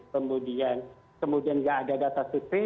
kemudian tidak ada data sutri